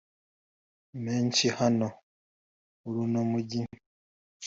menshi hano muruno mujyi